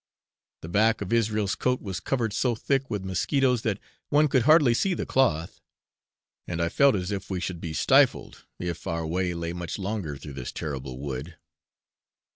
The back of Israel's coat was covered so thick with mosquitoes that one could hardly see the cloth; and I felt as if we should be stifled, if our way lay much longer through this terrible wood.